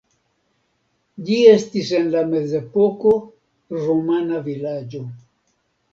Ĝi estis en la mezepoko rumana vilaĝo.